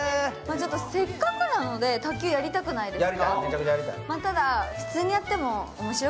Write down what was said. せっかくなので、卓球、やりたくないですか？